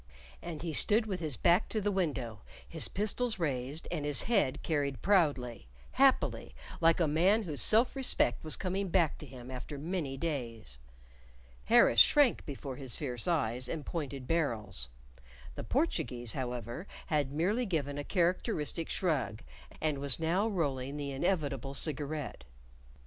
And he stood with his back to the window, his pistols raised, and his head carried proudly happily like a man whose self respect was coming back to him after many days. Harris shrank before his fierce eyes and pointed barrels. The Portuguese, however, had merely given a characteristic shrug, and was now rolling the inevitable cigarette.